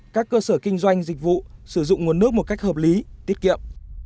các cơ sở kinh doanh dịch vụ sử dụng nguồn nước một cách hợp lý tiết kiệm